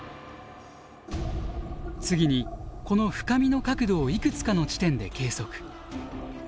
次にこの深みの角度をいくつかの地点で計測。